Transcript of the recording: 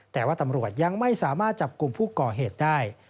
แต่ว่าตำรวจยังไม่สามารถจับกลุ่มผู้ก่อเหตุได้